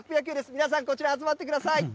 皆さん、こちら集まってください。